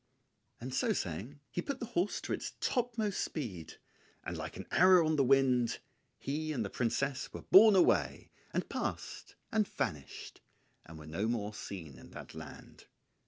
And so saying he put the horse to its topmost speed, and like an arrow on the wind he and the princess were borne away, and passed and vanished, and were no more seen in that land.